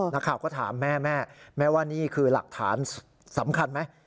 นักข่าวก็ถามแม่แม่แม่ว่านี่คือหลักฐานสำคัญไหม